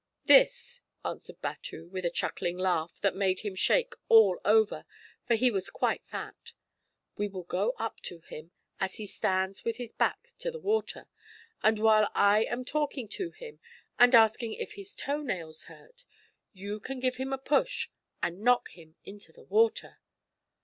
"This," answered Batu, with a chuckling laugh that made him shake all over, for he was quite fat. "We will go up to him, as he stands with his back to the water, and while I am talking to him, and asking if his toe nails hurt, you can give him a push and knock him into the river."